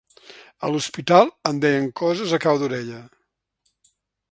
A l’hospital em deien coses a cau d’orella.